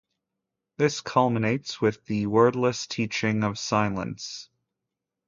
This culminates with the wordless teaching of silence.